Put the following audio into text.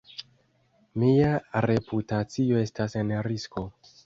Mia reputacio estas en risko.